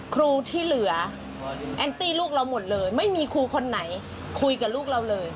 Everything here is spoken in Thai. ครูที่เหลือแอนตี้ลูกเราหมดเลยไม่มีครูคนไหนคุยกับลูกเราเลย